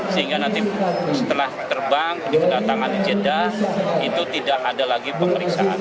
sehingga nanti setelah terbang di kedatangan jeda itu tidak ada lagi pengelolaan